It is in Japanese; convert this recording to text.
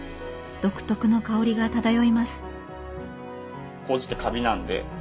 独特の香りが漂います。